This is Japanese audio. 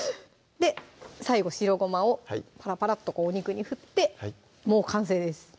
最後白ごまをパラパラッとお肉に振ってもう完成です